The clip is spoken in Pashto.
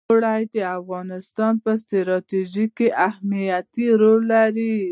اوړي د افغانستان په ستراتیژیک اهمیت کې رول لري.